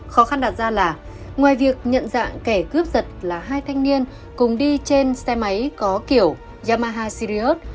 khó khăn đặt ra là ngoài việc nhận dạng kẻ cướp giật là hai thanh niên cùng đi trên xe máy có kiểu yamaha syriot